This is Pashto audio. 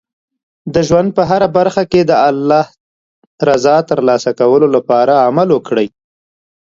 د ژوند په هره برخه کې د الله رضا ترلاسه کولو لپاره عمل وکړئ.